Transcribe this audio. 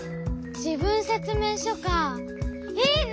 じぶんせつめいしょかいいね！